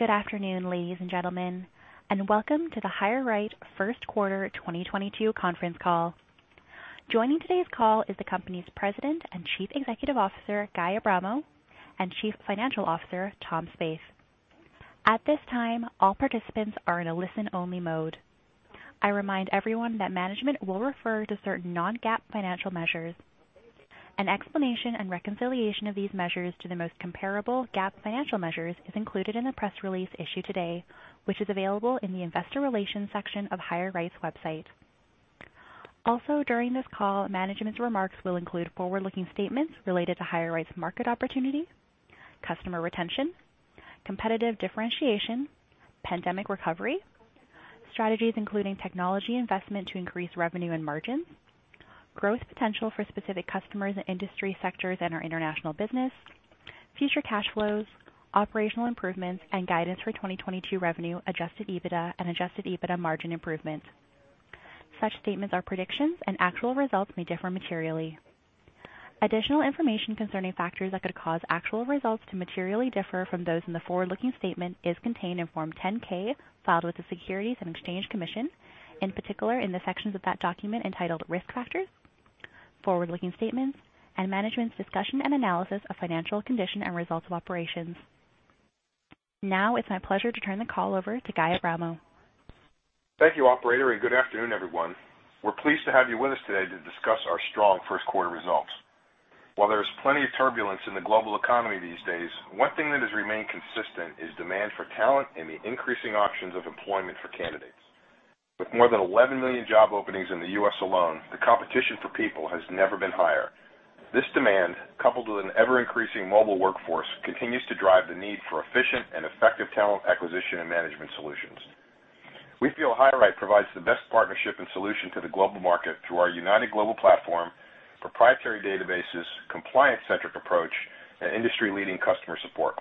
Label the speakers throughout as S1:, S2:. S1: Good afternoon, ladies and gentlemen, and welcome to the HireRight First Quarter 2022 Conference Call. Joining today's call is the company's President and Chief Executive Officer, Guy Abramo, and Chief Financial Officer, Tom Spaeth. At this time, all participants are in a listen-only mode. I remind everyone that management will refer to certain non-GAAP financial measures. An explanation and reconciliation of these measures to the most comparable GAAP financial measures is included in the press release issued today, which is available in the investor relations section of HireRight's website. Also, during this call, management's remarks will include forward-looking statements related to HireRight's market opportunities, customer retention, competitive differentiation, pandemic recovery, strategies including technology investment to increase revenue and margins, growth potential for specific customers and industry sectors in our international business, future cash flows, operational improvements, and guidance for 2022 revenue, adjusted EBITDA, and adjusted EBITDA margin improvements. Such statements are predictions, and actual results may differ materially. Additional information concerning factors that could cause actual results to materially differ from those in the forward-looking statement is contained in Form 10-K filed with the Securities and Exchange Commission, in particular in the sections of that document entitled Risk Factors, Forward-Looking Statements, and Management's Discussion and Analysis of Financial Condition and Results of Operations. Now it's my pleasure to turn the call over to Guy Abramo.
S2: Thank you, operator, and good afternoon, everyone. We're pleased to have you with us today to discuss our strong first quarter results. While there's plenty of turbulence in the global economy these days, one thing that has remained consistent is demand for talent and the increasing options of employment for candidates. With more than 11 million job openings in the U.S. alone, the competition for people has never been higher. This demand, coupled with an ever-increasing mobile workforce, continues to drive the need for efficient and effective talent acquisition and management solutions. We feel HireRight provides the best partnership and solution to the global market through our united global platform, proprietary databases, compliance-centric approach, and industry-leading customer support.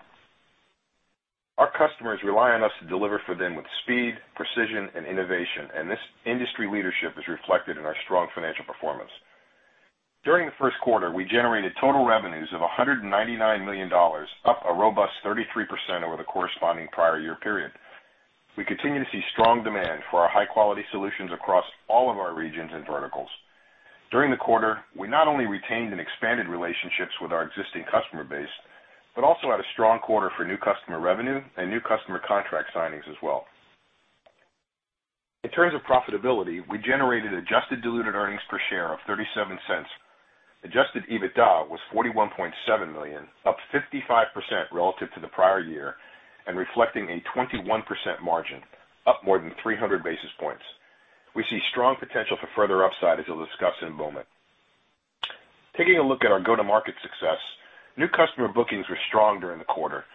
S2: Our customers rely on us to deliver for them with speed, precision, and innovation, and this industry leadership is reflected in our strong financial performance. During the first quarter, we generated total revenues of $199 million, up a robust 33% over the corresponding prior year period. We continue to see strong demand for our high-quality solutions across all of our regions and verticals. During the quarter, we not only retained and expanded relationships with our existing customer base, but also had a strong quarter for new customer revenue and new customer contract signings as well. In terms of profitability, we generated adjusted diluted earnings per share of $0.37. Adjusted EBITDA was $41.7 million, up 55% relative to the prior year and reflecting a 21% margin, up more than 300 basis points. We see strong potential for further upside, as we'll discuss in a moment. Taking a look at our go-to-market success, new customer bookings were strong during the quarter,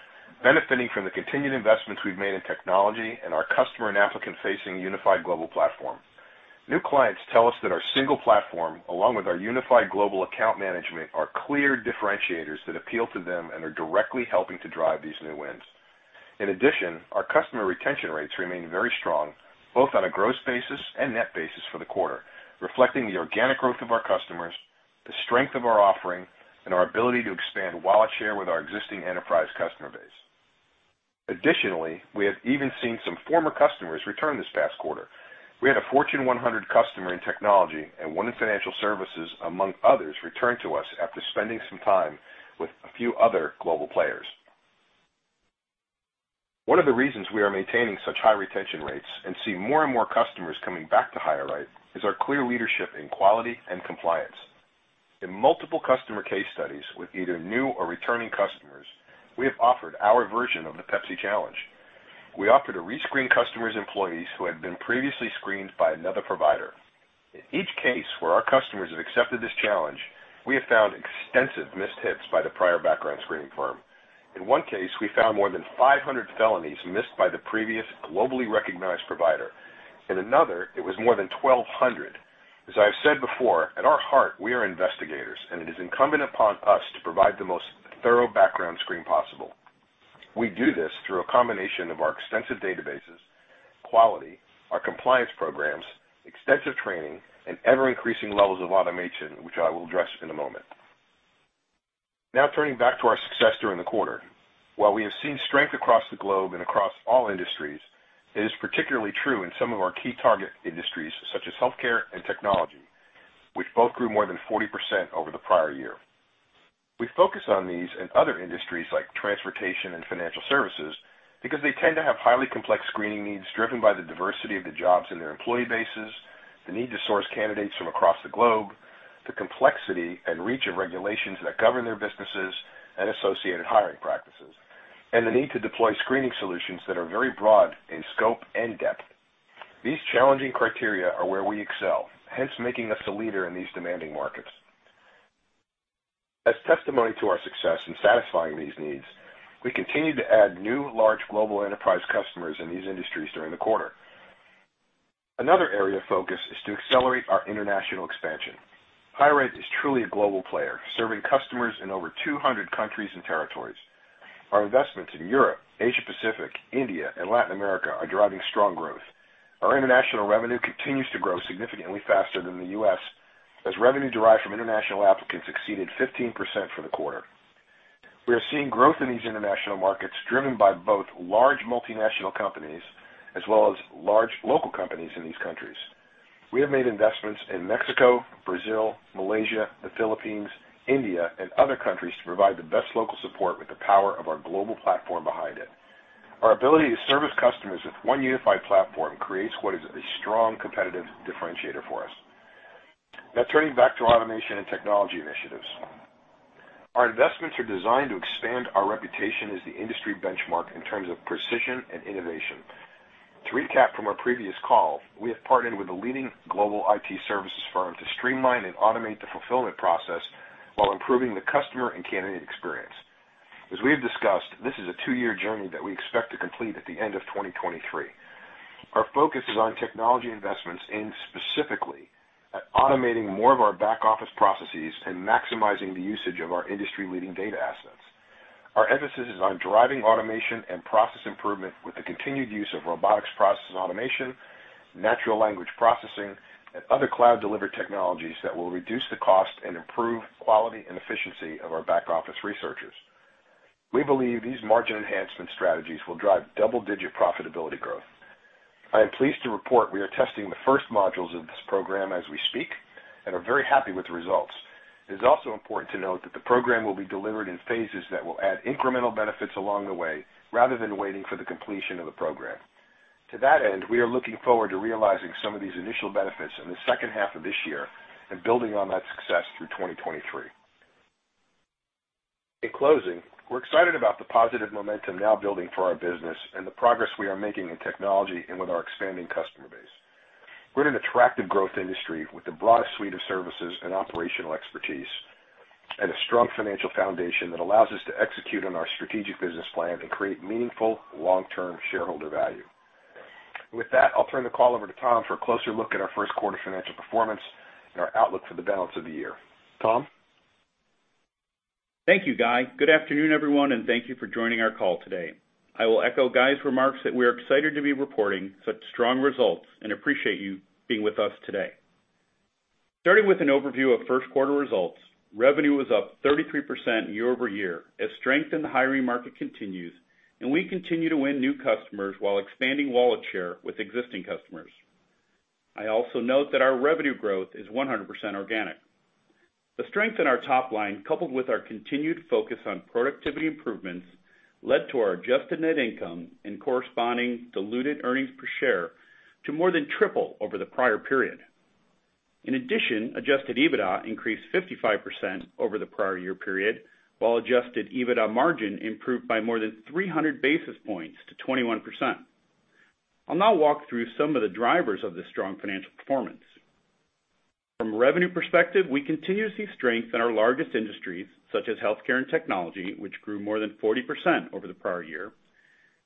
S2: benefiting from the continued investments we've made in technology and our customer and applicant-facing unified global platform. New clients tell us that our single platform, along with our unified global account management, are clear differentiators that appeal to them and are directly helping to drive these new wins. In addition, our customer retention rates remain very strong, both on a gross basis and net basis for the quarter, reflecting the organic growth of our customers, the strength of our offering, and our ability to expand wallet share with our existing enterprise customer base. Additionally, we have even seen some former customers return this past quarter. We had a Fortune 100 customer in technology and one in financial services, among others, return to us after spending some time with a few other global players. One of the reasons we are maintaining such high retention rates and see more and more customers coming back to HireRight is our clear leadership in quality and compliance. In multiple customer case studies with either new or returning customers, we have offered our version of the Pepsi Challenge. We offer to re-screen customers' employees who had been previously screened by another provider. In each case where our customers have accepted this challenge, we have found extensive missed hits by the prior background screening firm. In one case, we found more than 500 felonies missed by the previous globally recognized provider. In another, it was more than 1,200. As I've said before, at our heart, we are investigators, and it is incumbent upon us to provide the most thorough background screen possible. We do this through a combination of our extensive databases, quality, our compliance programs, extensive training, and ever-increasing levels of automation, which I will address in a moment. Now turning back to our success during the quarter. While we have seen strength across the globe and across all industries, it is particularly true in some of our key target industries, such as healthcare and technology, which both grew more than 40% over the prior year. We focus on these and other industries like transportation and financial services because they tend to have highly complex screening needs driven by the diversity of the jobs in their employee bases, the need to source candidates from across the globe, the complexity and reach of regulations that govern their businesses and associated hiring practices, and the need to deploy screening solutions that are very broad in scope and depth. These challenging criteria are where we excel, hence making us a leader in these demanding markets. As testimony to our success in satisfying these needs, we continue to add new large global enterprise customers in these industries during the quarter. Another area of focus is to accelerate our international expansion. HireRight is truly a global player, serving customers in over 200 countries and territories. Our investments in Europe, Asia Pacific, India, and Latin America are driving strong growth. Our international revenue continues to grow significantly faster than the U.S. Revenue derived from international applicants exceeded 15% for the quarter. We are seeing growth in these international markets driven by both large multinational companies as well as large local companies in these countries. We have made investments in Mexico, Brazil, Malaysia, the Philippines, India, and other countries to provide the best local support with the power of our global platform behind it. Our ability to service customers with one unified platform creates what is a strong competitive differentiator for us. Now turning back to automation and technology initiatives. Our investments are designed to expand our reputation as the industry benchmark in terms of precision and innovation. To recap from our previous call, we have partnered with a leading global IT services firm to streamline and automate the fulfillment process while improving the customer and candidate experience. As we have discussed, this is a two-year journey that we expect to complete at the end of 2023. Our focus is on technology investments aimed specifically at automating more of our back-office processes and maximizing the usage of our industry-leading data assets. Our emphasis is on driving automation and process improvement with the continued use of robotics process automation, natural language processing, and other cloud-delivered technologies that will reduce the cost and improve quality and efficiency of our back-office researchers. We believe these margin enhancement strategies will drive double-digit profitability growth. I am pleased to report we are testing the first modules of this program as we speak and are very happy with the results. It is also important to note that the program will be delivered in phases that will add incremental benefits along the way, rather than waiting for the completion of the program. To that end, we are looking forward to realizing some of these initial benefits in the second half of this year and building on that success through 2023. In closing, we're excited about the positive momentum now building for our business and the progress we are making in technology and with our expanding customer base. We're in an attractive growth industry with the broadest suite of services and operational expertise and a strong financial foundation that allows us to execute on our strategic business plan and create meaningful long-term shareholder value. With that, I'll turn the call over to Tom for a closer look at our first quarter financial performance and our outlook for the balance of the year. Tom?
S3: Thank you, Guy. Good afternoon, everyone, and thank you for joining our call today. I will echo Guy's remarks that we are excited to be reporting such strong results and appreciate you being with us today. Starting with an overview of first quarter results, revenue was up 33% year-over-year as strength in the hiring market continues, and we continue to win new customers while expanding wallet share with existing customers. I also note that our revenue growth is 100% organic. The strength in our top line, coupled with our continued focus on productivity improvements, led to our adjusted net income and corresponding diluted earnings per share to more than triple over the prior period. In addition, adjusted EBITDA increased 55% over the prior year period, while adjusted EBITDA margin improved by more than 300 basis points to 21%. I'll now walk through some of the drivers of this strong financial performance. From a revenue perspective, we continue to see strength in our largest industries, such as healthcare and technology, which grew more than 40% over the prior year.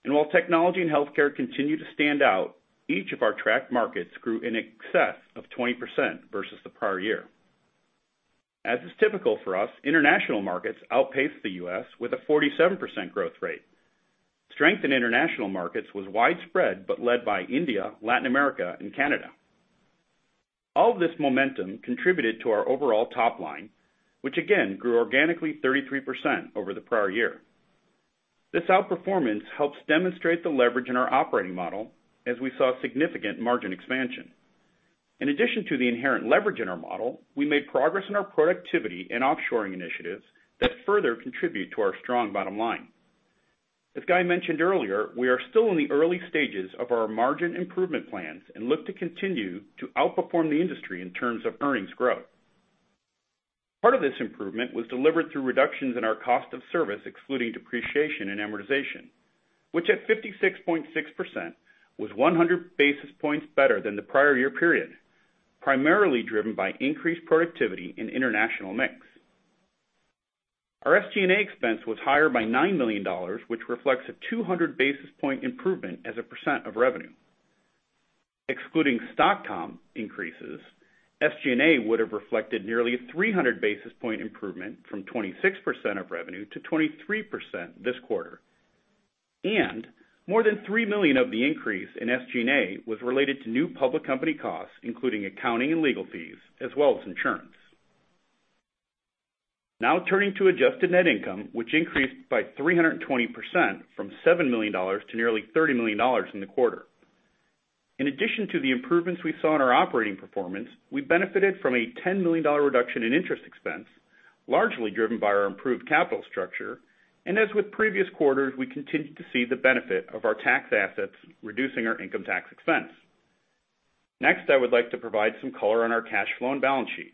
S3: While technology and healthcare continue to stand out, each of our tracked markets grew in excess of 20% versus the prior year. As is typical for us, international markets outpaced the U.S. with a 47% growth rate. Strength in international markets was widespread, but led by India, Latin America and Canada. All of this momentum contributed to our overall top line, which again grew organically 33% over the prior year. This outperformance helps demonstrate the leverage in our operating model as we saw significant margin expansion. In addition to the inherent leverage in our model, we made progress in our productivity and offshoring initiatives that further contribute to our strong bottom line. As Guy mentioned earlier, we are still in the early stages of our margin improvement plans and look to continue to outperform the industry in terms of earnings growth. Part of this improvement was delivered through reductions in our cost of service, excluding depreciation and amortization, which at 56.6% was 100 basis points better than the prior year period, primarily driven by increased productivity in international mix. Our SG&A expense was higher by $9 million, which reflects a 200 basis points improvement as a percent of revenue. Excluding stock comp increases, SG&A would have reflected nearly a 300 basis points improvement from 26% of revenue to 23% this quarter. More than $3 million of the increase in SG&A was related to new public company costs, including accounting and legal fees, as well as insurance. Now turning to adjusted net income, which increased by 320% from $7 million to nearly $30 million in the quarter. In addition to the improvements we saw in our operating performance, we benefited from a $10 million reduction in interest expense, largely driven by our improved capital structure. As with previous quarters, we continued to see the benefit of our tax assets, reducing our income tax expense. Next, I would like to provide some color on our cash flow and balance sheet.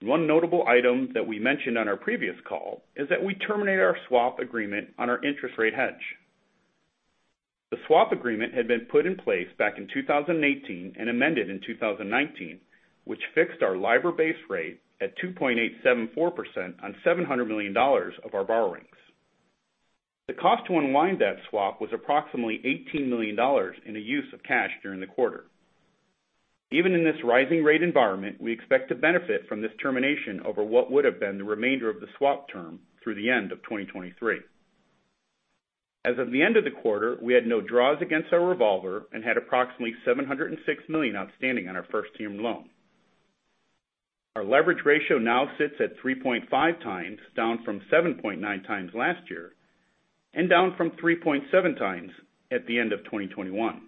S3: One notable item that we mentioned on our previous call is that we terminated our swap agreement on our interest rate hedge. The swap agreement had been put in place back in 2018 and amended in 2019, which fixed our LIBOR base rate at 2.874% on $700 million of our borrowings. The cost to unwind that swap was approximately $18 million in a use of cash during the quarter. Even in this rising rate environment, we expect to benefit from this termination over what would have been the remainder of the swap term through the end of 2023. As of the end of the quarter, we had no draws against our revolver and had approximately $706 million outstanding on our first term loan. Our leverage ratio now sits at 3.5 times, down from 7.9x last year, and down from 3.7x at the end of 2021.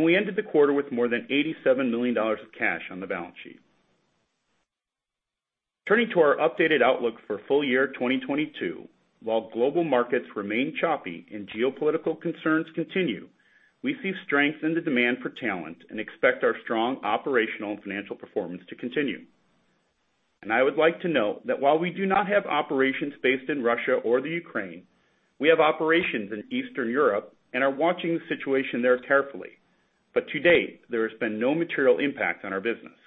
S3: We ended the quarter with more than $87 million of cash on the balance sheet. Turning to our updated outlook for full year 2022. While global markets remain choppy and geopolitical concerns continue, we see strength in the demand for talent and expect our strong operational and financial performance to continue. I would like to note that while we do not have operations based in Russia or the Ukraine, we have operations in Eastern Europe and are watching the situation there carefully. To date, there has been no material impact on our business.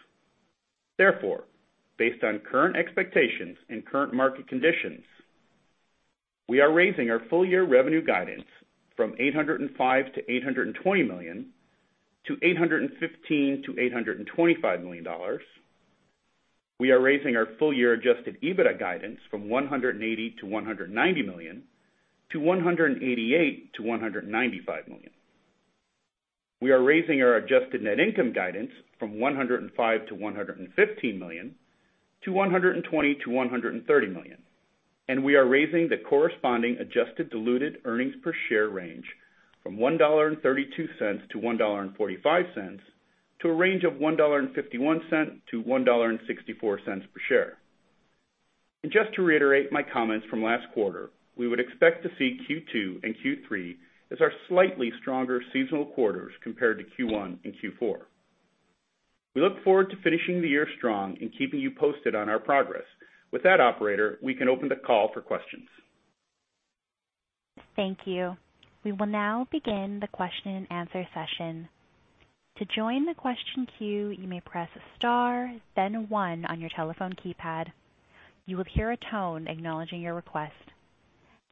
S3: Therefore, based on current expectations and current market conditions, we are raising our full-year revenue guidance from $805 million-$820 million to $815 million-$825 million. We are raising our full-year adjusted EBITDA guidance from $180 million-$190 million to $188 million-$195 million. We are raising our adjusted net income guidance from $105 million-$115 million to $120 million-$130 million. We are raising the corresponding adjusted diluted earnings per share range from $1.32-$1.45 to a range of $1.51-$1.64 per share. Just to reiterate my comments from last quarter, we would expect to see Q2 and Q3 as our slightly stronger seasonal quarters compared to Q1 and Q4. We look forward to finishing the year strong and keeping you posted on our progress. With that, operator, we can open the call for questions.
S1: Thank you. We will now begin the question-and-answer session. To join the question queue, you may press star then one on your telephone keypad. You will hear a tone acknowledging your request.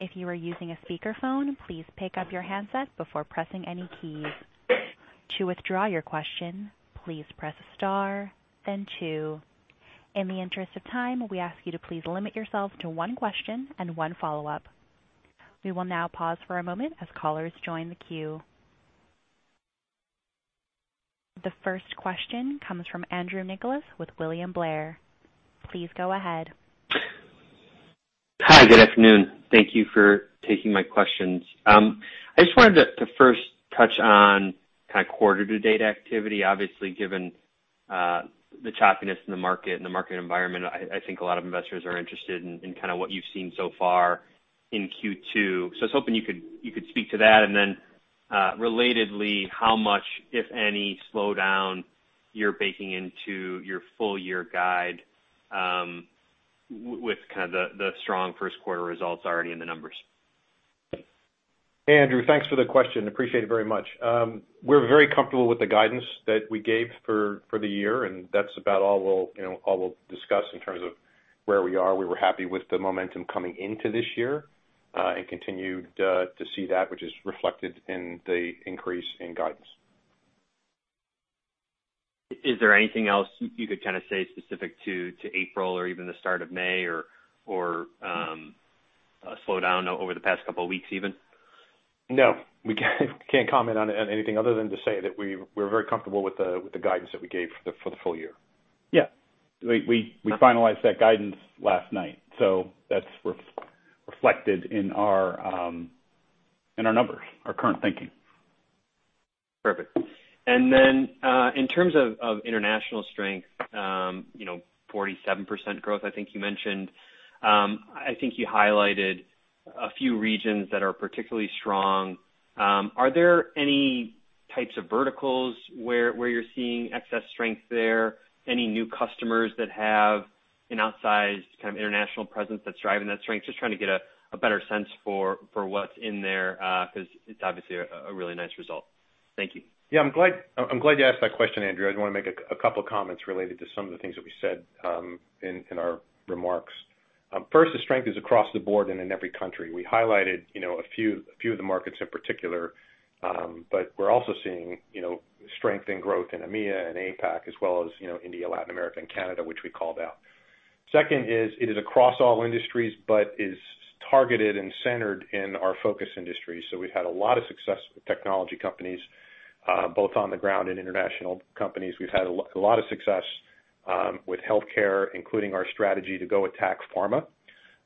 S1: If you are using a speakerphone, please pick up your handset before pressing any keys. To withdraw your question, please press star then two. In the interest of time, we ask you to please limit yourself to one question and one follow-up. We will now pause for a moment as callers join the queue. The first question comes from Andrew Nicholas with William Blair. Please go ahead.
S4: Hi, good afternoon. Thank you for taking my questions. I just wanted to first touch on kind of quarter-to-date activity. Obviously, given the choppiness in the market and the market environment, I think a lot of investors are interested in kind of what you've seen so far in Q2. I was hoping you could speak to that. Relatedly, how much, if any, slowdown you're baking into your full year guide, with kind of the strong first quarter results already in the numbers?
S2: Andrew, thanks for the question. Appreciate it very much. We're very comfortable with the guidance that we gave for the year, and that's about all we'll discuss in terms of where we are. We were happy with the momentum coming into this year and continued to see that which is reflected in the increase in guidance.
S4: Is there anything else you could kind of say specific to April or even the start of May or a slowdown over the past couple of weeks even?
S2: No. We can't comment on anything other than to say that we're very comfortable with the guidance that we gave for the full year. Yeah, we finalized that guidance last night, so that's reflected in our numbers, our current thinking.
S4: Perfect. In terms of international strength 47% growth, I think you mentioned. I think you highlighted a few regions that are particularly strong. Are there any types of verticals where you're seeing excess strength there? Any new customers that have an outsized kind of international presence that's driving that strength? Just trying to get a better sense for what's in there, because it's obviously a really nice result. Thank you.
S2: Yeah, I'm glad you asked that question, Andrew. I just wanna make a couple of comments related to some of the things that we said in our remarks. First, the strength is across the board and in every country. We highlighted a few of the markets in particular, but we're also seeing strength and growth in EMEA and APAC, as well as India, Latin America and Canada, which we called out. Second is, it is across all industries, but is targeted and centered in our focus industry. We've had a lot of success with technology companies, both on the ground and international companies. We've had a lot of success with healthcare, including our strategy to go attack pharma.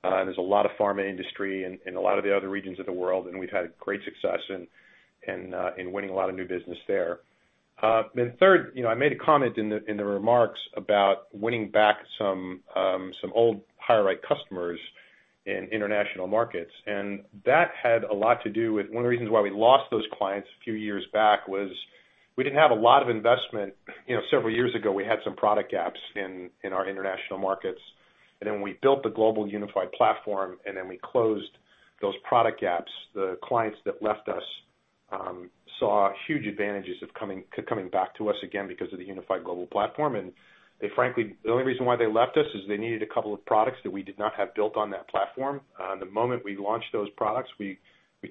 S2: There's a lot of pharma industry in a lot of the other regions of the world, and we've had great success in winning a lot of new business there. Third I made a comment in the remarks about winning back some old HireRight customers in international markets. That had a lot to do with one of the reasons why we lost those clients a few years back was we didn't have a lot of investment. Several years ago, we had some product gaps in our international markets. We built the global unified platform, and then we closed those product gaps. The clients that left us saw huge advantages of coming back to us again because of the unified global platform. They frankly, the only reason why they left us is they needed a couple of products that we did not have built on that platform. The moment we launched those products, we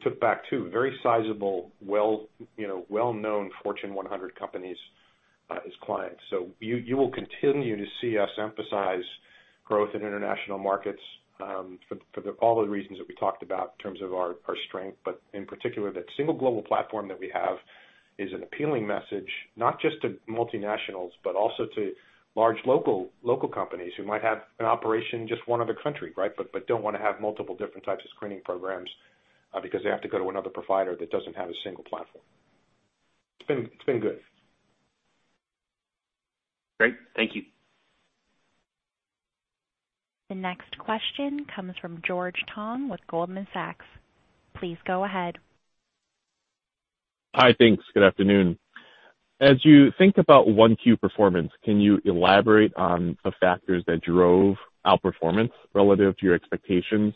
S2: took back two very sizable, well-known Fortune 100 companies as clients. You will continue to see us emphasize growth in international markets, for all the reasons that we talked about in terms of our strength, but in particular, that single global platform that we have is an appealing message, not just to multinationals, but also to large local companies who might have an operation in just one other country. They don't wanna have multiple different types of screening programs, because they have to go to another provider that doesn't have a single platform. It's been good.
S4: Great. Thank you.
S1: The next question comes from George Tong with Goldman Sachs. Please go ahead.
S5: Hi. Thanks. Good afternoon. As you think about 1Q performance, can you elaborate on the factors that drove outperformance relative to your expectations?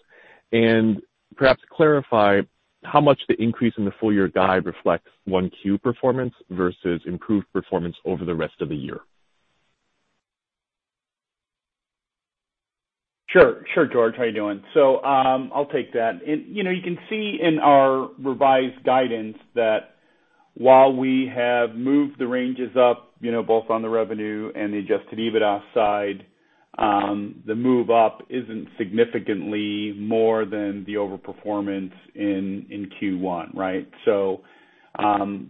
S5: Perhaps clarify how much the increase in the full-year guide reflects 1Q performance versus improved performance over the rest of the year.
S2: Sure. Sure, George. How are you doing? I'll take that. You can see in our revised guidance that while we have moved the ranges up both on the revenue and the adjusted EBITDA side, the move up isn't significantly more than the overperformance in Q1, right?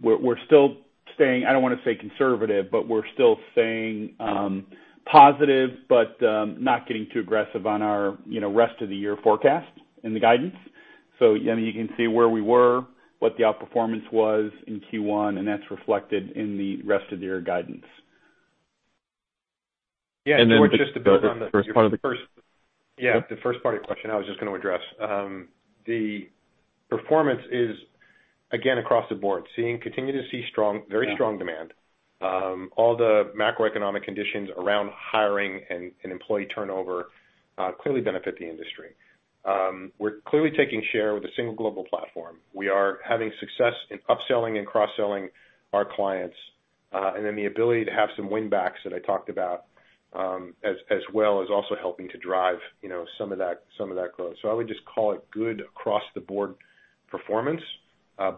S2: We're still staying, I don't wanna say conservative, but we're still staying, positive, but, not getting too aggressive on our rest of the year forecast in the guidance. You can see where we were, what the outperformance was in Q1, and that's reflected in the rest of the year guidance.
S3: Yeah. George, just to build on the first. Yeah, the first part of your question, I was just gonna address. The performance is, again, across the board. Continue to see strong, very strong demand. All the macroeconomic conditions around hiring and employee turnover clearly benefit the industry. We're clearly taking share with a single global platform. We are having success in upselling and cross-selling our clients, and then the ability to have some win backs that I talked about, as well as also helping to drive some of that growth. I would just call it good across the board performance,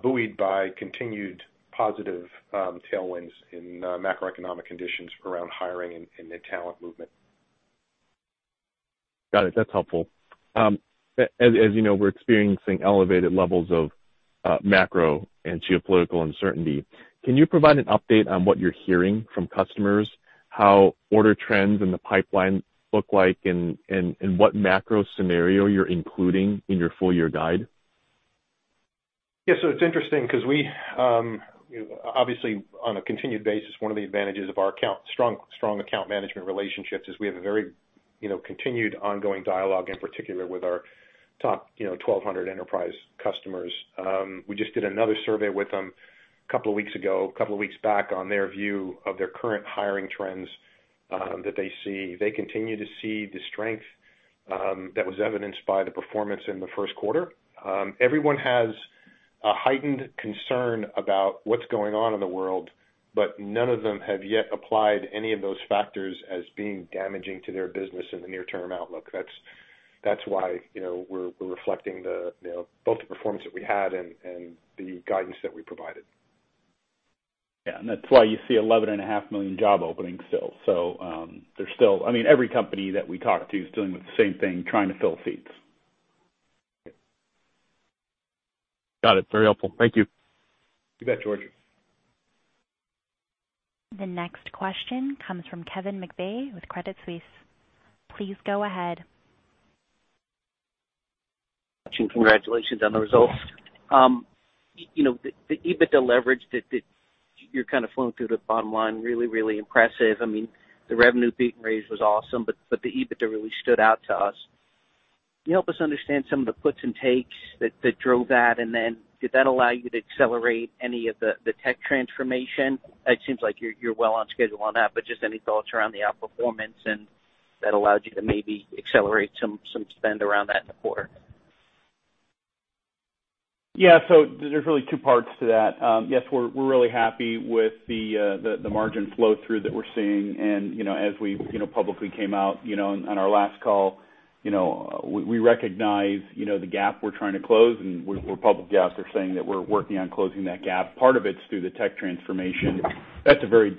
S3: buoyed by continued positive tailwinds in macroeconomic conditions around hiring and talent movement.
S5: Got it. That's helpful. As we're experiencing elevated levels of macro and geopolitical uncertainty. Can you provide an update on what you're hearing from customers, how order trends in the pipeline look like and what macro scenario you're including in your full year guide?
S3: Yeah, it's interesting 'cause we obviously on a continued basis, one of the advantages of our strong account management relationships is we have a very continued ongoing dialogue, in particular with our top 1,200 enterprise customers. We just did another survey with them a couple of weeks ago, couple of weeks back, on their view of their current hiring trends, that they see. They continue to see the strength that was evidenced by the performance in the first quarter. Everyone has a heightened concern about what's going on in the world, but none of them have yet applied any of those factors as being damaging to their business in the near term outlook. That's why we're reflecting the performance that we had and the guidance that we provided. Yeah, that's why you see 11.5 million job openings still. There's still. I mean, every company that we talk to is dealing with the same thing, trying to fill seats.
S5: Got it. Very helpful. Thank you.
S2: You bet, George.
S1: The next question comes from Kevin McVeigh with Credit Suisse. Please go ahead.
S6: Congratulations on the results. The EBITDA leverage that you're kind of flowing through the bottom line, really impressive. I mean, the revenue beat and raise was awesome, but the EBITDA really stood out to us. Can you help us understand some of the puts and takes that drove that? Then did that allow you to accelerate any of the tech transformation? It seems like you're well on schedule on that, but just any thoughts around the outperformance and that allowed you to maybe accelerate some spend around that in the quarter.
S2: Yeah. There's really two parts to that. Yes, we're really happy with the margin flow through that we're seeing. As we publicly came out on our last call we recognize the gap we're trying to close, and we're public out there saying that we're working on closing that gap. Part of it's through the tech transformation. That's a very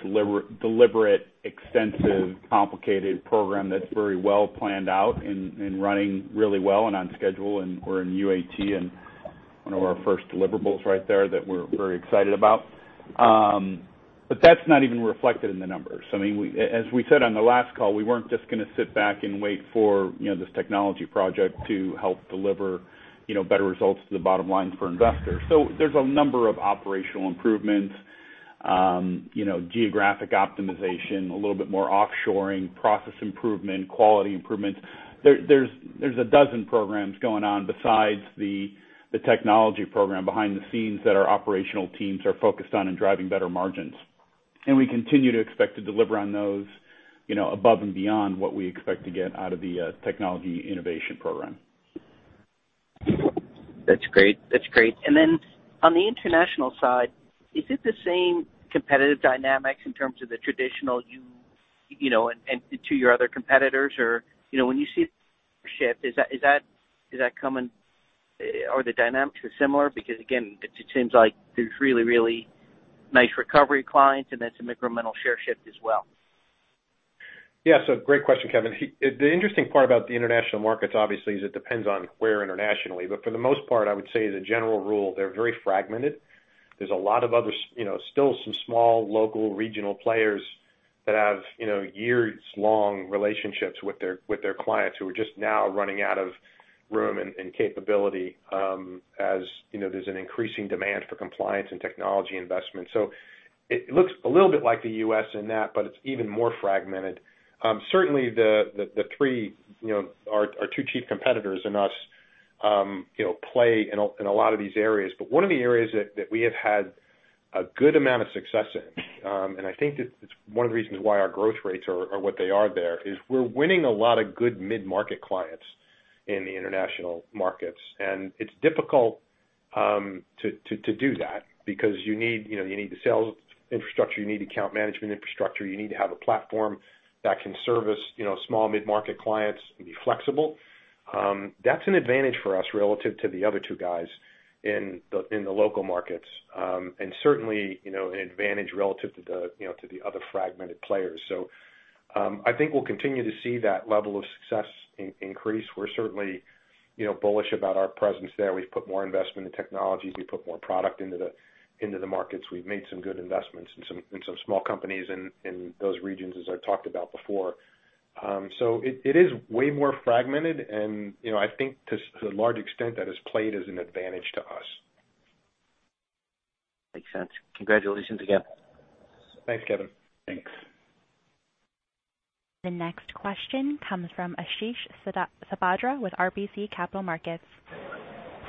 S2: deliberate, extensive, complicated program that's very well planned out and running really well and on schedule. We're in UAT and one of our first deliverables right there that we're very excited about. But that's not even reflected in the numbers. I mean, as we said on the last call, we weren't just gonna sit back and wait for this technology project to help deliver better results to the bottom line for investors. There's a number of operational improvements, geographic optimization, a little bit more offshoring, process improvement, quality improvements. There's a dozen programs going on besides the technology program behind the scenes that our operational teams are focused on in driving better margins. We continue to expect to deliver on those above and beyond what we expect to get out of the technology innovation program.
S6: That's great. On the international side, is it the same competitive dynamics in terms of the traditional U.S., and to your other competitors or, when you see shift, is that coming? Are the dynamics similar? Because again, it seems like there's really nice recovery in clients and that's some incremental share shift as well.
S2: Yeah. Great question, Kevin. The interesting part about the international markets obviously is it depends on where internationally, but for the most part, I would say as a general rule, they're very fragmented. There's a lot of othe still some small local regional players that have years-long relationships with their clients who are just now running out of room and capability, as there's an increasing demand for compliance and technology investment. It looks a little bit like the U.S. in that, but it's even more fragmented. Certainly the three our two chief competitors and us, play in a lot of these areas. One of the areas that we have had a good amount of success in, and I think it's one of the reasons why our growth rates are what they are there, is we're winning a lot of good mid-market clients in the international markets. It's difficult to do that because you need the sales infrastructure, you need account management infrastructure. You need to have a platform that can service, small mid-market clients and be flexible. That's an advantage for us relative to the other two guys in the local markets. And certainly, an advantage relative to the other fragmented players. I think we'll continue to see that level of success increase. We're certainly bullish about our presence there. We've put more investment in technologies. We've put more product into the markets. We've made some good investments in some small companies in those regions as I talked about before. It is way more fragmented and I think to a large extent that has played as an advantage to us.
S6: Makes sense. Congratulations again.
S2: Thanks, Kevin. Thanks.
S1: The next question comes from Ashish Sabadra with RBC Capital Markets.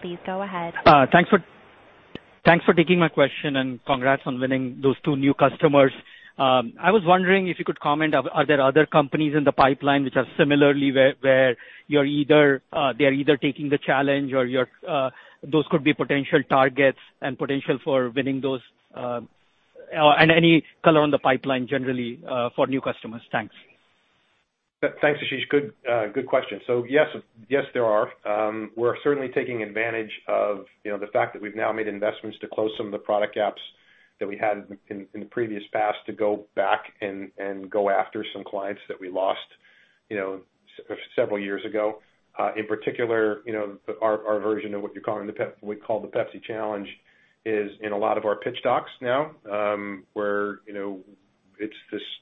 S1: Please go ahead.
S7: Thanks for taking my question and congrats on winning those two new customers. I was wondering if you could comment on whether there are other companies in the pipeline which are similarly where they're either taking the challenge or those could be potential targets and potential for winning those, or any color on the pipeline generally for new customers. Thanks.
S2: Thanks, Ashish. Good question. We're certainly taking advantage of the fact that we've now made investments to close some of the product gaps that we had in the previous past to go back and go after some clients that we lost several years ago. In particular, our version of what you're calling the Pepsi, we call the Pepsi Challenge is in a lot of our pitch docs now, where it's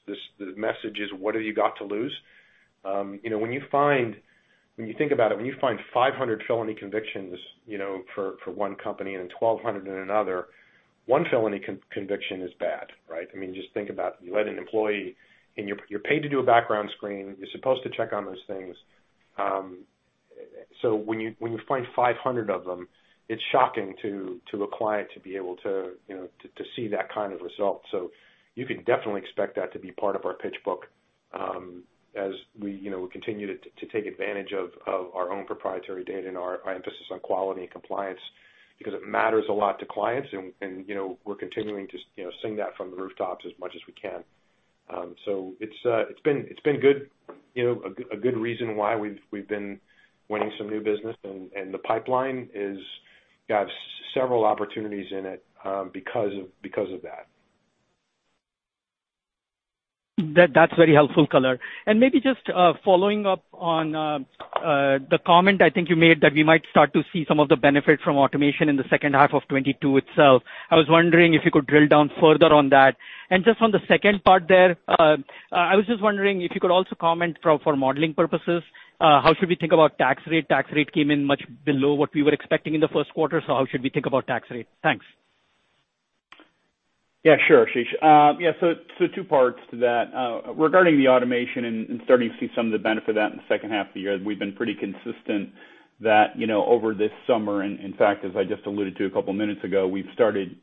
S2: this, the message is, what have you got to lose? When you think about it, when you find 500 felony convictions for one company and 1,200 in another, one felony conviction is bad, right? I mean, just think about you let an employee, and you're paid to do a background screening. You're supposed to check on those things. When you find 500 of them, it's shocking to a client to be able to see that kind of result. You can definitely expect that to be part of our pitch book, as we continue to take advantage of our own proprietary data and our emphasis on quality and compliance because it matters a lot to clients and we're continuing to sing that from the rooftops as much as we can. It's been a good reason why we've been winning some new business, and the pipeline is, yeah, several opportunities in it because of that.
S7: That's very helpful color. Maybe just following up on the comment I think you made that we might start to see some of the benefit from automation in the second half of 2022 itself. I was wondering if you could drill down further on that. Just on the second part there, I was just wondering if you could also comment for modeling purposes, how should we think about tax rate? Tax rate came in much below what we were expecting in the first quarter. How should we think about tax rate? Thanks.
S3: Yeah, sure, Ashish. Yeah, so two parts to that. Regarding the automation and starting to see some of the benefit of that in the second half of the year, we've been pretty consistent that over this summer, and in fact, as I just alluded to a couple of minutes ago, we've started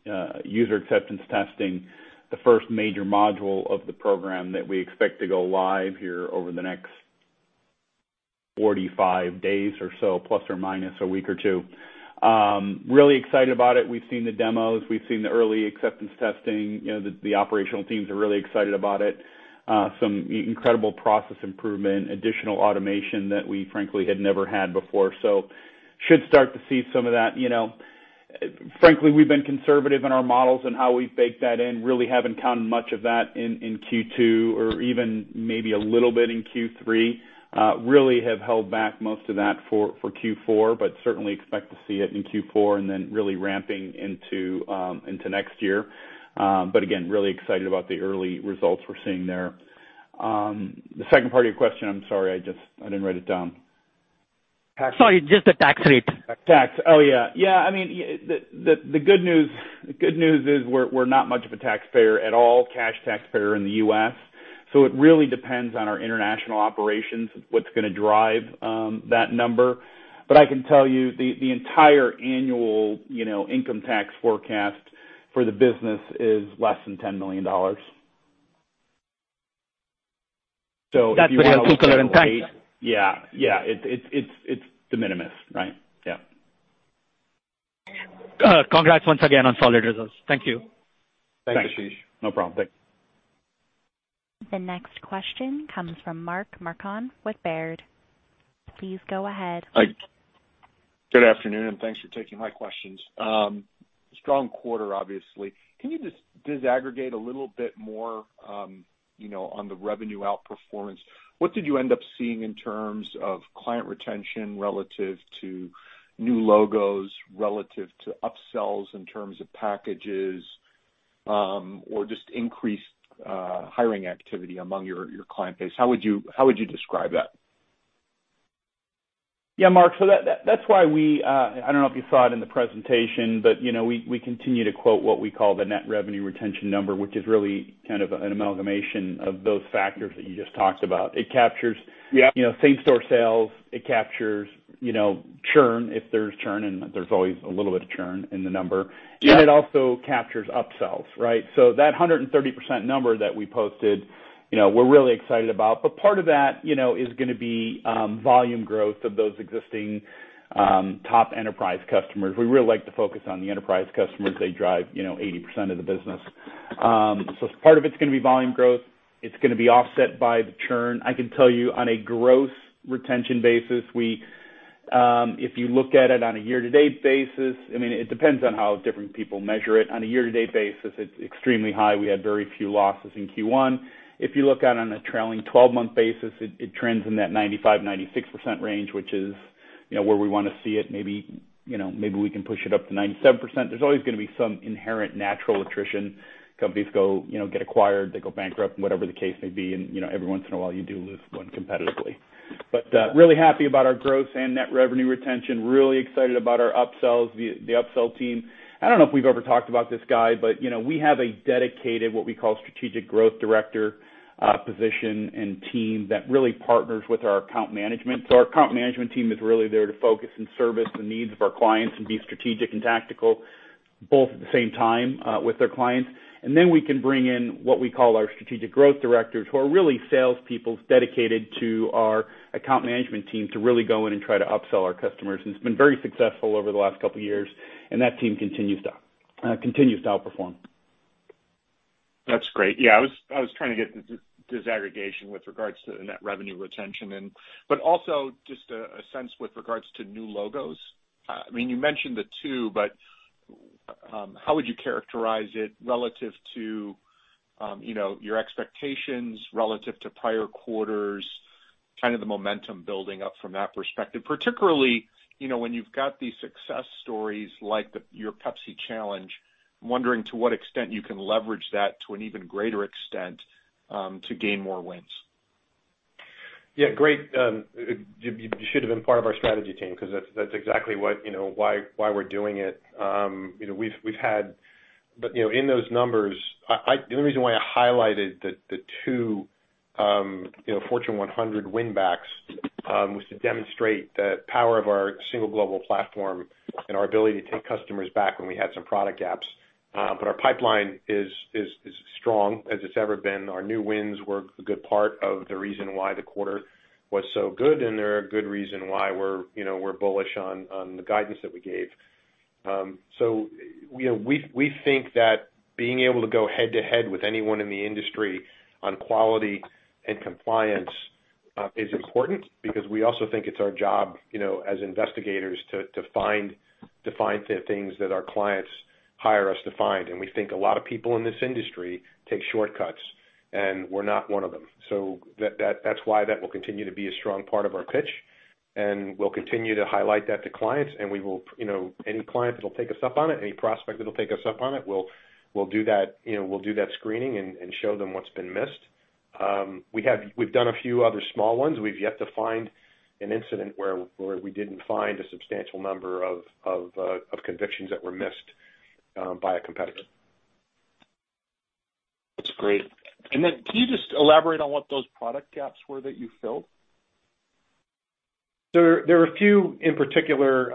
S3: user acceptance testing, the first major module of the program that we expect to go live here over the next 45 days or so, plus or minus a week or two. Really excited about it. We've seen the demos, we've seen the early acceptance testing, the operational teams are really excited about it. Some incredible process improvement, additional automation that we frankly had never had before. Should start to see some of that. Frankly, we've been conservative in our models and how we've baked that in. Really haven't counted much of that in Q2 or even maybe a little bit in Q3. Really have held back most of that for Q4, but certainly expect to see it in Q4 and then really ramping into next year. Again, really excited about the early results we're seeing there. The second part of your question, I'm sorry, I didn't write it down.
S7: Sorry, just the tax rate.
S8: Tax. Oh, yeah. Yeah. I mean, the good news is we're not much of a taxpayer at all, cash taxpayer in the US. It really depends on our international operations, what's gonna drive that number. I can tell you the entire annual income tax forecast for the business is less than $10 million. If you wanna look at it that way.
S7: That's very helpful, Tom Spaeth. Thanks.
S2: Yeah. It's de minimis, right? Yeah.
S7: Congrats once again on solid results. Thank you.
S2: Thanks, Ashish. No problem. Thanks.
S1: The next question comes from Mark Marcon with Baird. Please go ahead.
S9: Hi. Good afternoon, and thanks for taking my questions. Strong quarter, obviously. Can you just disaggregate a little bit more on the revenue outperformance? What did you end up seeing in terms of client retention relative to new logos, relative to upsells in terms of packages, or just increased hiring activity among your client base? How would you describe that?
S3: Mark, that's why we, I don't know if you saw it in the presentation, but, we continue to quote what we call the net revenue retention number, which is really kind of an amalgamation of those factors that you just talked about. It captures same-store sales. It captures churn, if there's churn, and there's always a little bit of churn in the number.
S9: Yeah.
S3: It also captures upsells, right? That 130% number that we posted, we're really excited about. Part of that is gonna be volume growth of those existing top enterprise customers. We really like to focus on the enterprise customers. They drive 80% of the business. So part of it's gonna be volume growth. It's gonna be offset by the churn. I can tell you on a growth retention basis, we, if you look at it on a year-to-date basis, I mean, it depends on how different people measure it. On a year-to-date basis, it's extremely high. We had very few losses in Q1. If you look out on a trailing twelve-month basis, it trends in that 95%-96% range, which is where we wanna see it. Maybe, we can push it up to 97%. There's always gonna be some inherent natural attrition. Companies go get acquired, they go bankrupt, and whatever the case may be, every once in a while you do lose one competitively. Really happy about our growth and net revenue retention. Really excited about our upsells, the upsell team. I don't know if we've ever talked about this Guy, but we have a dedicated, what we call strategic growth director, position and team that really partners with our account management. Our account management team is really there to focus and service the needs of our clients and be strategic and tactical, both at the same time, with their clients.
S10: We can bring in what we call our strategic growth directors, who are really salespeople dedicated to our account management team to really go in and try to upsell our customers. It's been very successful over the last couple years, and that team continues to outperform.
S9: That's great. Yeah, I was trying to get the disaggregation with regards to the net revenue retention and, but also just a sense with regards to new logos. I mean, you mentioned the two, but how would you characterize it relative to your expectations relative to prior quarters, kind of the momentum building up from that perspective? Particularly when you've got these success stories like your Pepsi Challenge, I'm wondering to what extent you can leverage that to an even greater extent to gain more wins.
S2: Yeah, great. You should have been part of our strategy team because that's exactly why we're doing it. In those numbers, the only reason why I highlighted the 2 Fortune 100 winbacks was to demonstrate the power of our single global platform and our ability to take customers back when we had some product gaps. Our pipeline is strong as it's ever been. Our new wins were a good part of the reason why the quarter was so good, and they're a good reason why we're bullish on the guidance that we gave. We think that being able to go head-to-head with anyone in the industry on quality and compliance is important because we also think it's our job, as investigators to find the things that our clients hire us to find. We think a lot of people in this industry take shortcuts, and we're not one of them. That's why that will continue to be a strong part of our pitch, and we'll continue to highlight that to clients. Any client that'll take us up on it, any prospect that'll take us up on it, we'll do that screening and show them what's been missed. We've done a few other small ones. We've yet to find an incident where we didn't find a substantial number of convictions that were missed by a competitor.
S9: That's great. Can you just elaborate on what those product gaps were that you filled?
S2: There were a few in particular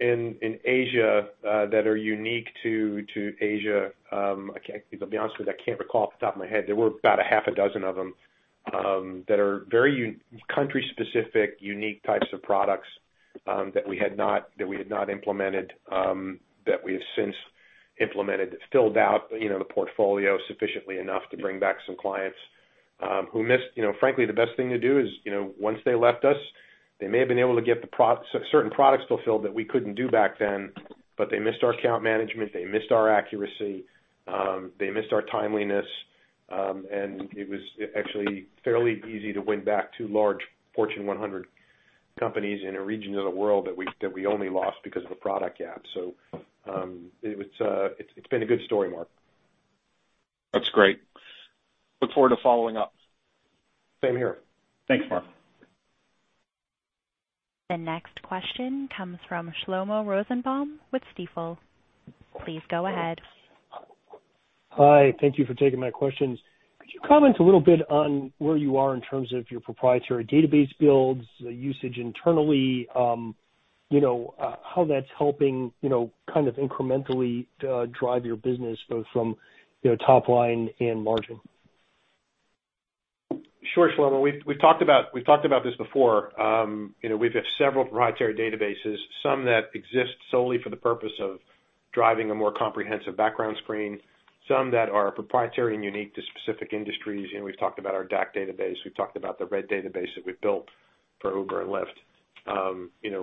S2: in Asia that are unique to Asia. To be honest with you, I can't recall off the top of my head. There were about half a dozen of them that are very country-specific, unique types of products that we had not implemented that we have since implemented. It filled out the portfolio sufficiently enough to bring back some clients who missed. Frankly, the best thing to do is, once they left us, they may have been able to get certain products fulfilled that we couldn't do back then, but they missed our account management, they missed our accuracy, they missed our timeliness. Actually, it was fairly easy to win back two large Fortune 100 companies in a region of the world that we only lost because of a product gap. It's been a good story, Mark.
S9: That's great. Look forward to following up.
S2: Same here. Thanks, Mark.
S1: The next question comes from Shlomo Rosenbaum with Stifel. Please go ahead.
S11: Hi. Thank you for taking my questions. Could you comment a little bit on where you are in terms of your proprietary database builds, the usage internally, how that's helping, kind of incrementally drive your business both from top line and margin?
S2: Sure, Shlomo. We've talked about this before, we have several proprietary databases, some that exist solely for the purpose of driving a more comprehensive background screening, some that are proprietary and unique to specific industries. We've talked about our DAC database, we've talked about the ISSP database that we've built for Uber and Lyft.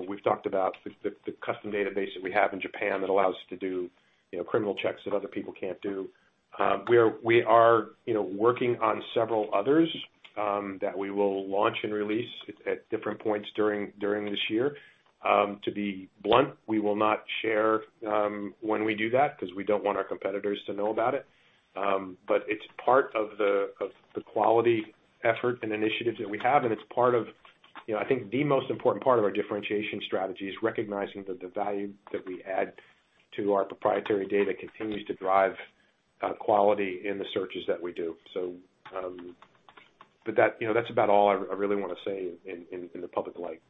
S2: We've talked about the custom database that we have in Japan that allows us to do criminal checks that other people can't do. We are working on several others that we will launch and release at different points during this year. To be blunt, we will not share when we do that 'cause we don't want our competitors to know about it. It's part of the quality effort and initiatives that we have, and it's part of I think the most important part of our differentiation strategy is recognizing that the value that we add to our proprietary data continues to drive quality in the searches that we do. That's about all I really wanna say in the public light.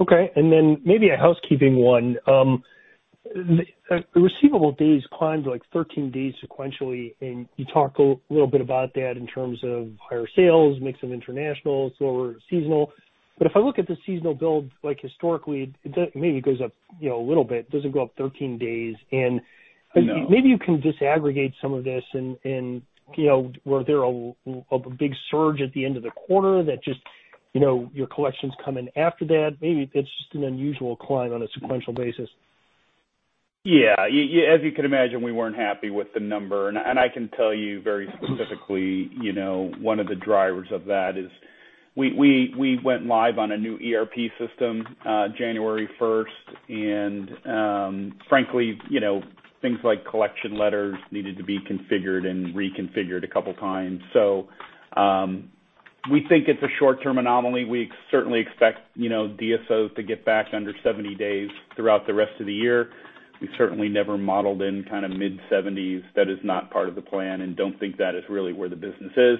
S11: Okay. Then maybe a housekeeping one. The receivable days climbed to like 13 days sequentially, and you talked a little bit about that in terms of higher sales, mix of international, slower seasonal. If I look at the seasonal build, like historically, it maybe goes upna little bit, doesn't go up 13 days.
S3: No.
S11: Maybe you can disaggregate some of this and were there a big surge at the end of the quarter that just your collections come in after that? Maybe it's just an unusual climb on a sequential basis.
S3: Yeah. As you can imagine, we weren't happy with the number. I can tell you very specifically, one of the drivers of that is we went live on a new ERP system January first. Frankly, things like collection letters needed to be configured and reconfigured a couple times. We think it's a short-term anomaly. We certainly expect DSO to get back under 70 days throughout the rest of the year. We certainly never modeled in kinda mid-70s. That is not part of the plan and don't think that is really where the business is.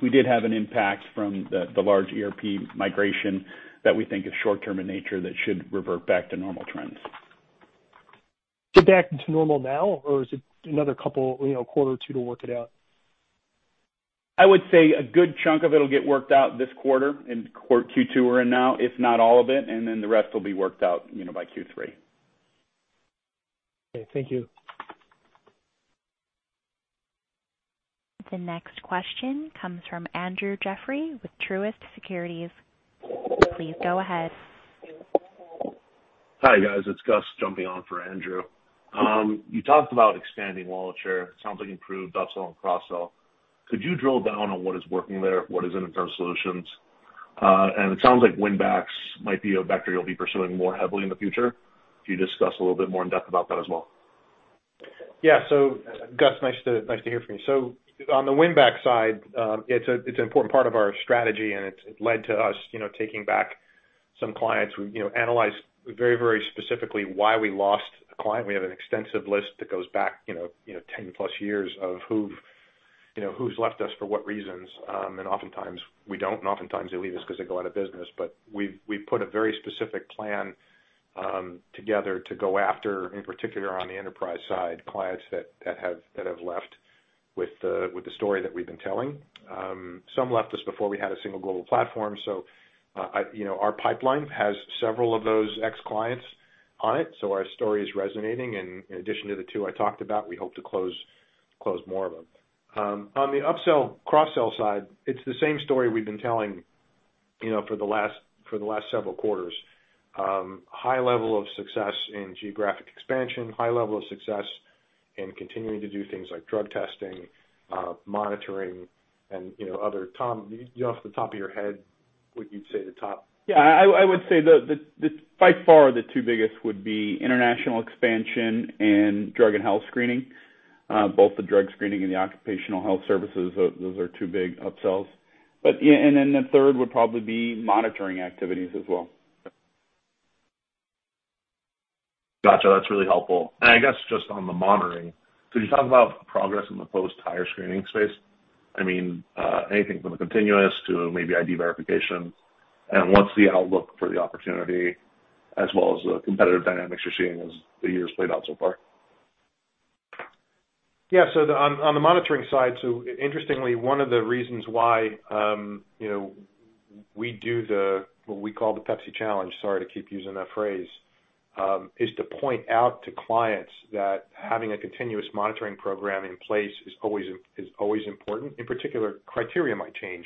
S3: We did have an impact from the large ERP migration that we think is short-term in nature that should revert back to normal trends.
S11: Get back to normal now, or is it another couple quarter or two to work it out?
S2: I would say a good chunk of it'll get worked out this quarter, Q2 we're in now, if not all of it, and then the rest will be worked out by Q3.
S11: Okay. Thank you.
S1: The next question comes from Andrew Jeffrey with Truist Securities. Please go ahead.
S12: Hi, guys. It's Gus jumping on for Andrew. You talked about expanding wallet share. Sounds like improved upsell and cross-sell. Could you drill down on what is working there? What is it in terms of solutions? It sounds like win backs might be a vector you'll be pursuing more heavily in the future. Could you discuss a little bit more in-depth about that as well?
S2: Yeah. Gus, nice to hear from you. On the win back side, it's an important part of our strategy, and it's led to us taking back some clients. We analyze very specifically why we lost a client. We have an extensive list that goes back ten plus years of who's left us for what reasons. Oftentimes we don't, and oftentimes they leave us 'cause they go out of business. But we've put a very specific plan together to go after, in particular on the enterprise side, clients that have left with the story that we've been telling. Some left us before we had a single global platform. Our pipeline has several of those ex-clients on it, so our story is resonating, and in addition to the two I talked about, we hope to close more of them. On the upsell, cross-sell side, it's the same story we've been telling for the last several quarters. High level of success in geographic expansion, high level of success in continuing to do things like drug testing, monitoring, and other. Tom, you off the top of your head, what you'd say the top-
S3: Yeah. I would say the by far the two biggest would be international expansion and drug and health screening. Both the drug screening and the occupational health services, those are two big upsells. The third would probably be monitoring activities as well.
S12: Gotcha. That's really helpful. I guess just on the monitoring, could you talk about progress in the post-hire screening space? I mean, anything from the continuous to maybe ID verification, and what's the outlook for the opportunity as well as the competitive dynamics you're seeing as the years played out so far? Yeah. On the monitoring side, interestingly, one of the reasons why we do what we call the Pepsi Challenge, sorry to keep using that phrase, is to point out to clients that having a continuous monitoring program in place is always important. In particular, criteria might change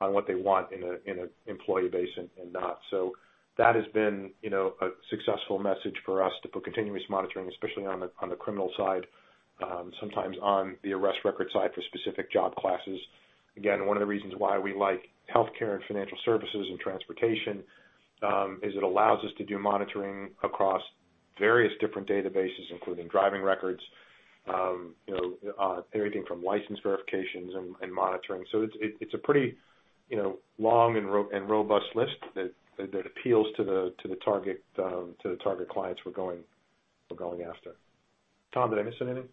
S12: on what they want in an employee base and not.
S2: That has been a successful message for us to put continuous monitoring, especially on the criminal side, sometimes on the arrest record side for specific job classes. Again, one of the reasons why we like healthcare and financial services and transportation is it allows us to do monitoring across various different databases, including driving records, everything from license verifications and monitoring. It's a pretty long and robust list that appeals to the target clients we're going after. Tom, did I miss anything?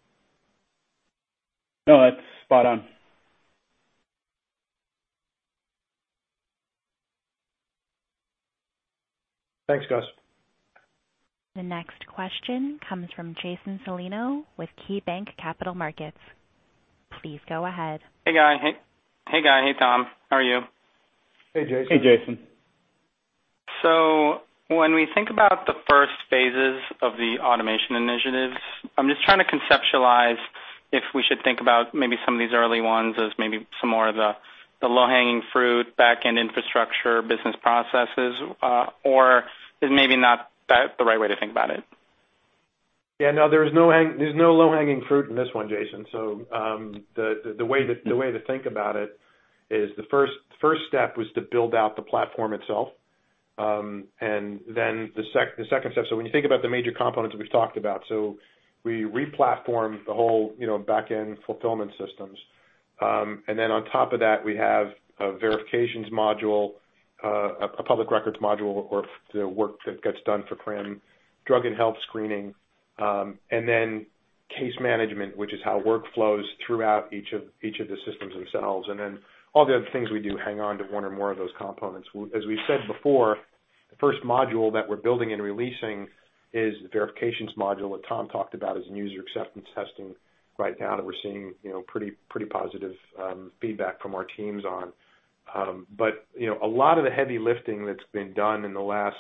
S12: No, that's spot on.
S2: Thanks, Gus.
S1: The next question comes from Jason Celino with KeyBanc Capital Markets. Please go ahead.
S10: Hey, Guy. Hey, Tom. How are you?
S3: Hey, Jason.
S2: Hey, Jason.
S10: When we think about the first phases of the automation initiatives, I'm just trying to conceptualize if we should think about maybe some of these early ones as maybe some more of the low-hanging fruit, back-end infrastructure, business processes, or is maybe not that the right way to think about it?
S2: Yeah, no, there's no low-hanging fruit in this one, Jason. The way to think about it is the first step was to build out the platform itself. The second step. When you think about the major components that we've talked about, so we re-platformed the whole back-end fulfillment systems. On top of that, we have a verifications module, a public records module, or the work that gets done for PRAM, drug and health screening, and then case management, which is how work flows throughout each of the systems themselves, and then all the other things we do hang on to one or more of those components. As we said before, the first module that we're building and releasing is the verifications module that Tom talked about in user acceptance testing right now that we're seeing pretty positive feedback from our teams on. A lot of the heavy lifting that's been done in the last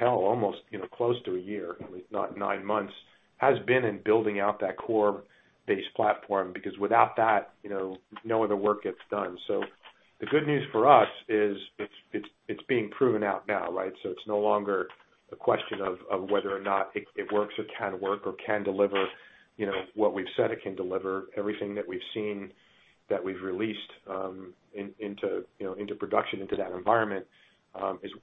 S2: well almost close to a year, if not nine months, has been in building out that core base platform because without that no other work gets done. The good news for us is it's being proven out now, right? It's no longer a question of whether or not it works or can work or can deliver what we've said it can deliver. Everything that we've seen, that we've released, into production, into that environment,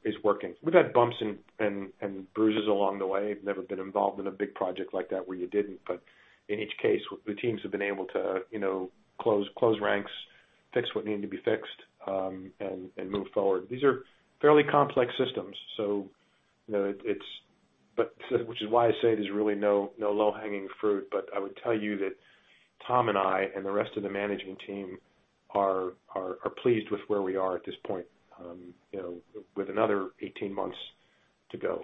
S2: is working. We've had bumps and bruises along the way. I've never been involved in a big project like that where you didn't, but in each case, the teams have been able to close ranks, fix what needed to be fixed, and move forward. These are fairly complex systems, so, it's which is why I say there's really no low-hanging fruit. I would tell you that Tom and I and the rest of the management team are pleased with where we are at this point, with another 18 months to go.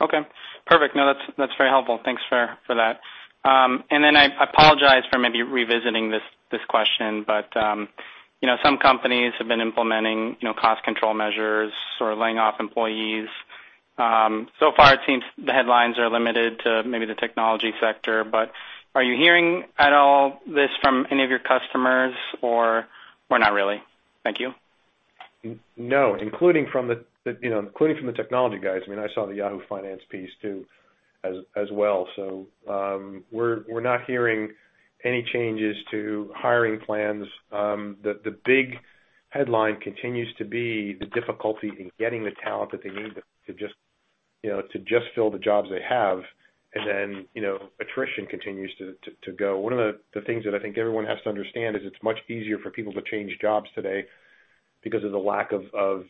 S10: Okay, perfect. No, that's very helpful. Thanks for that. I apologize for maybe revisiting this question, but some companies have been implementing, cost control measures or laying off employees. So far it seems the headlines are limited to maybe the technology sector, but are you hearing at all this from any of your customers or not really? Thank you.
S2: No, including from the technology guys. I mean, I saw the Yahoo Finance piece too as well. We're not hearing any changes to hiring plans. The big headline continues to be the difficulty in getting the talent that they need to just fill the jobs they have. Then attrition continues to go. One of the things that I think everyone has to understand is it's much easier for people to change jobs today because of the lack of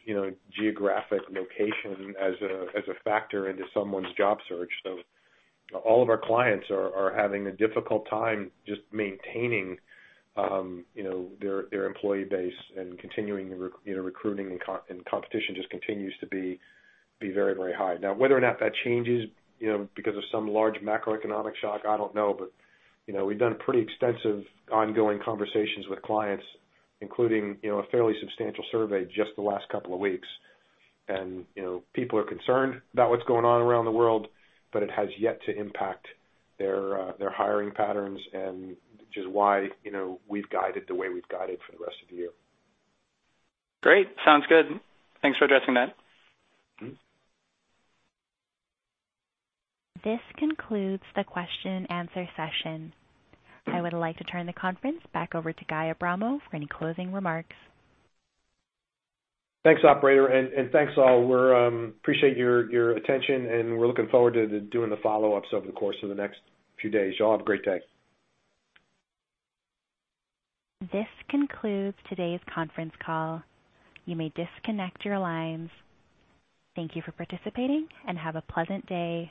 S2: geographic location as a factor into someone's job search. All of our clients are having a difficult time just maintaining their employee base and continuing recruiting and competition just continues to be very high. Now, whether or not that changes because of some large macroeconomic shock, I don't know, we've done pretty extensive ongoing conversations with clients, including a fairly substantial survey just the last couple of weeks. People are concerned about what's going on around the world, but it has yet to impact their their hiring patterns and which is why we've guided the way we've guided for the rest of the year.
S10: Great. Sounds good. Thanks for addressing that.
S2: Mm-hmm.
S1: This concludes the question and answer session. I would like to turn the conference back over to Guy Abramo for any closing remarks.
S2: Thanks, operator. Thanks, all. We appreciate your attention, and we're looking forward to doing the follow-ups over the course of the next few days. Y'all have a great day.
S1: This concludes today's conference call. You may disconnect your lines. Thank you for participating and have a pleasant day.